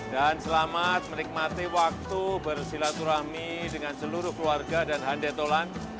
dan selamat menikmati waktu bersilaturahmi dengan seluruh keluarga dan handetolan